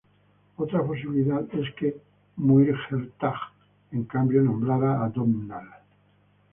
Otra posibilidad es que Muirchertach en cambio nombrara a Domnall.